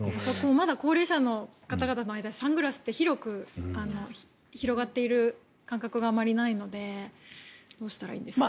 まだ高齢者の方々の間でサングラスって広く広がっている感覚があまりないのでどうしたらいいんですかね？